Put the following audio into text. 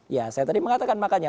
ya saya tadi mengatakan makanya